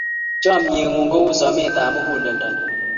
Chamyengung ko u someet ab muguleldonyu